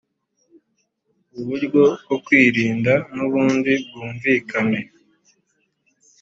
uburyo bwo kwirinda n ubundi bwumvikane